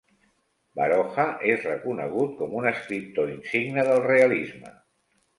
Baroja és reconegut com un escriptor insigne del realisme.